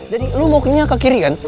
jadi lo mau nyari ke kiri kan